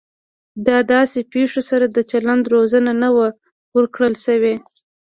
د داسې پیښو سره د چلند روزنه نه وه ورکړل شوې